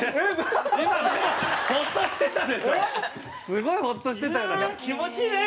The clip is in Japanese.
すごいホッとしてたような。